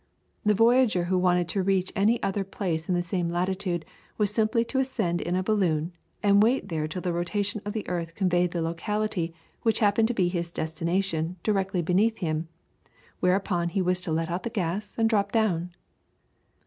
The voyager who wanted to reach any other place in the same latitude was simply to ascend in a balloon, and wait there till the rotation of the earth conveyed the locality which happened to be his destination directly beneath him, whereupon he was to let out the gas and drop down!